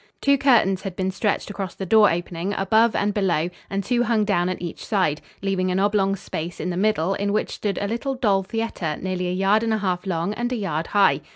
Two curtains had been stretched across the door opening above and below and two hung down at each side, leaving an oblong space in the middle in which stood a little doll theater nearly a yard and a half long and a yard high.